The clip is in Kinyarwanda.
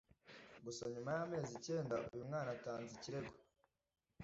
Gusa nyuma y’amezi icyenda uyu mwana atanze ikirego